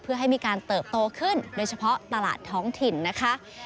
เพื่อให้มีการเติบโตขึ้นโดยเฉพาะตลาดท้องถิ่นนะคะ